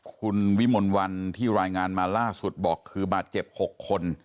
คุณวิมลวันที่รายงานมาล่าสุดบอกคือบาดเจ็บ๖คน